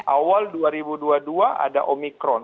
awal dua ribu dua puluh dua ada omikron